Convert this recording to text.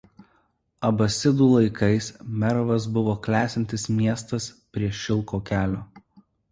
Abasidų laikais Mervas buvo klestintis miestas prie šilko kelio.